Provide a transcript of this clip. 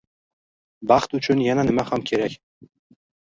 baxt uchun yana nima ham kerak?